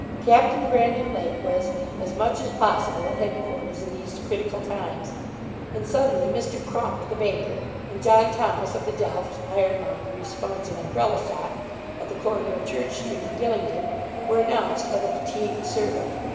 Captain Brandon Lake was as much as possible at head quarters in these critical times; and, suddenly, Mr. Crump; the baker, and John Thomas, of the delft, ironmongery, sponge, and umbrella shop, at the corner of Church Street, in Gylingden, were announced by the fatigued servant.